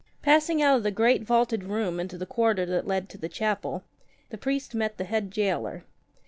Passing out of the great vaulted room into the corridor that led to the chapel, the priest met the head gaoler.